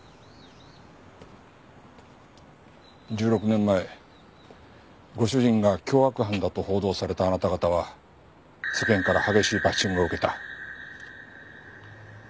１６年前ご主人が凶悪犯だと報道されたあなた方は世間から激しいバッシングを受けた。